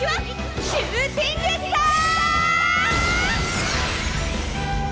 シューティングスター！